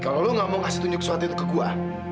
kalau lu nggak mau kasih tunjuk surat itu ke gue